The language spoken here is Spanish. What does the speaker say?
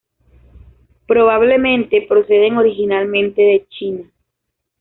Probablemente proceden originalmente de China.